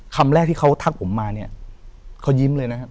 คำแรกที่เขาทักผมมาเนี่ยเขายิ้มเลยนะครับ